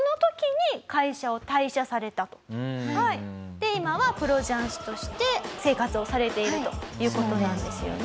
で今はプロ雀士として生活をされているという事なんですよね。